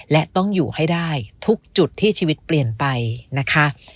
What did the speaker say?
และต้องอยู่ให้ได้ทุกจุดที่ชีวิตเปลี่ยนไปนะคะ